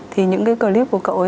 thì những cái clip của cậu ấy